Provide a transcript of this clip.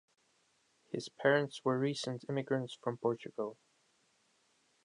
His parents were recent immigrants from Portugal.